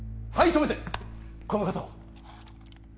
止めてこの方は？